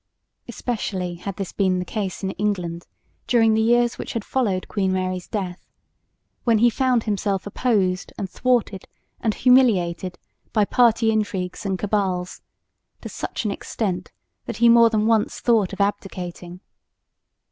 Especially had this been the case in England during the years which had followed Queen Mary's death, when he found himself opposed and thwarted and humiliated by party intrigues and cabals, to such an extent that he more than once thought of abdicating.